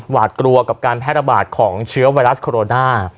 หวาดกลัวกับการแพร่ระบาดของเชื้อไวรัสโคโรนา